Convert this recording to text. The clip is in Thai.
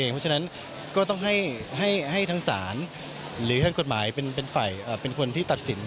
เพราะฉะนั้นก็ต้องให้ทางศาลหรือทางกฎหมายเป็นฝ่ายเป็นคนที่ตัดสิน